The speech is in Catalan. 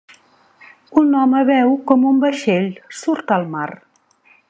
Un home veu com un vaixell surt al mar.